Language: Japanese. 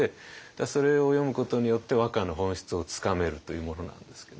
それを読むことによって和歌の本質をつかめるというものなんですけど。